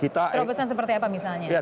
terobosan seperti apa misalnya